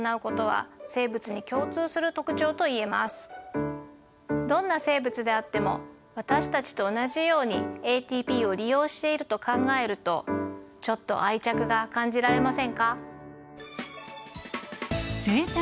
このようにどんな生物であっても私たちと同じようにＡＴＰを利用していると考えるとちょっと愛着が感じられませんか？